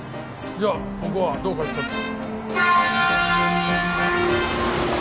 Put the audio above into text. じゃあここはどうかひとつ。